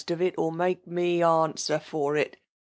of it, or make me answer for it.